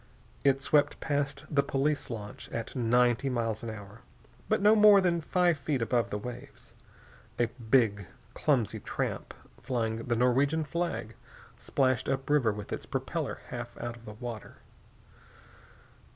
It swept past the police launch at ninety miles an hour, but no more than five feet above the waves. A big, clumsy tramp flying the Norwegian flag splashed up river with its propeller half out of water.